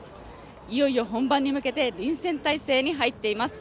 いよいよ本番に向けて臨戦態勢に入っています。